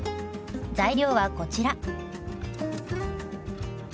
材料はこちら。